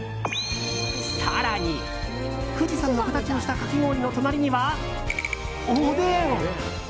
更に富士山の形をしたかき氷の隣には、おでん？